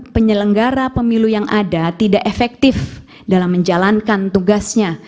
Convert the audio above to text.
penyelenggara pemilu yang ada tidak efektif dalam menjalankan tugasnya